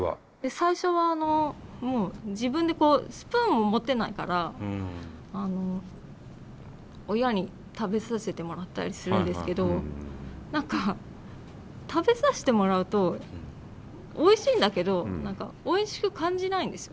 最初はもう自分でこうスプーンも持てないからあの親に食べさせてもらったりするんですけど何か食べさせてもらうとおいしいんだけどおいしく感じないんですよ。